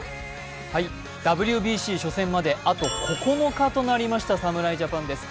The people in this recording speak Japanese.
ＷＢＣ初戦まであと９日となりました侍ジャパンです。